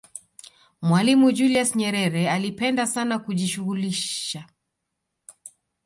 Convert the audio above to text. mwalimu julius nyerere alipenda sana kujishughulisha